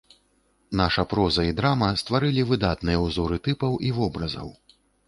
Наша проза і драма стварылі выдатныя ўзоры тыпаў і вобразаў.